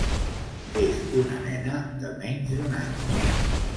És una nena de menys d’un any.